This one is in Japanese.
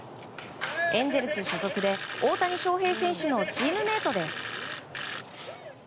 エンゼルス所属で大谷翔平選手のチームメートです。